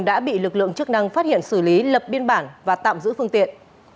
đã bị lực lượng chức năng phát hiện xử lý lập biên bản và tạm giữ phương tiện